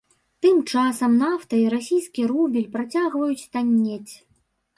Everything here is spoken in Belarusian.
Тым часам нафта і расійскі рубель працягваюць таннець.